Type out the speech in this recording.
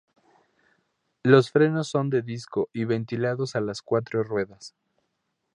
Los frenos son de disco y ventilados a las cuatro ruedas.